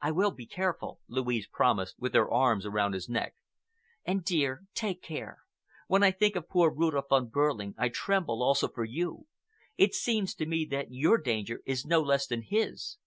"I will be careful," Louise promised, with her arms around his neck. "And, dear, take care. When I think of poor Rudolph Von Behrling, I tremble, also, for you. It seems to me that your danger is no less than his."